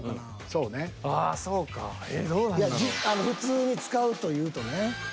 普通に使うというとね。